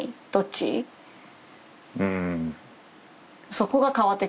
そこが変わってくるの。